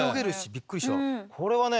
これはね